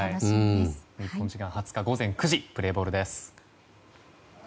日本時間２０日午前９時プレーボールです。